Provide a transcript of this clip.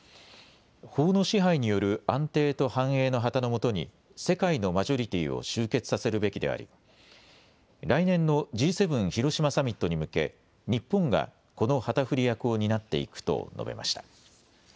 法の支配による安定と繁栄の旗のもとに世界のマジョリティーを集結させるべきであり来年のＧ７広島サミットに向け日本がこの旗振り役を担っていくと述べました。